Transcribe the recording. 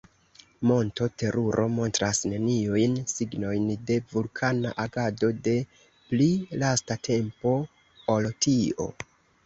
Monto Teruro montras neniujn signojn de vulkana agado de pli lasta tempo ol tio.